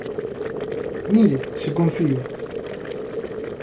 ¡Mire se confío!